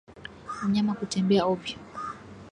Mnyama kutembea ovyo